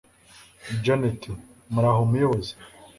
janet muraho muyobozi